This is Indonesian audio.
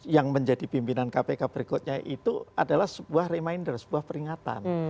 yang menjadi pimpinan kpk berikutnya itu adalah sebuah reminder sebuah peringatan